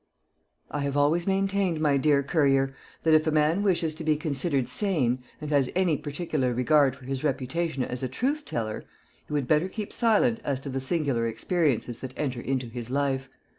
I have always maintained, my dear Currier, that if a man wishes to be considered sane, and has any particular regard for his reputation as a truth teller, he would better keep silent as to the singular experiences that enter into his life.